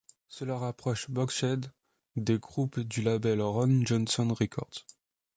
Cela rapproche Bogshed des groupes du label Ron Johnson Records.